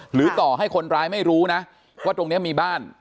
หรือต่อให้คนร้ายไม่รู้นะว่าตรงนี้มีบ้าน